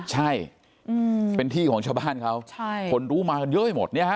ใช่อืมเป็นที่ของชาวบ้านเขาใช่คนรู้มาเยอะให้หมดเนี้ยฮะ